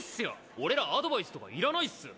俺らアドバイスとかいらないっす。